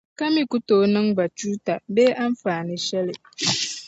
ka mi ku tooi niŋ ba chuuta bee anfaani shεli?